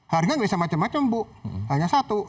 harga nggak bisa macam macam bu hanya satu